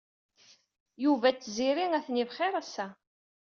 Yuba d Tiziri atni bxir ass-a.